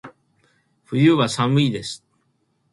冬は、寒いです。